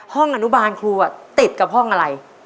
ห้องอนุบาลครูติดกับห้องอะไร